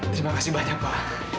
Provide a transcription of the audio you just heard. terima kasih banyak pak